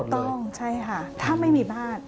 ต้องใช่ค่ะถ้าไม่มีบ้าน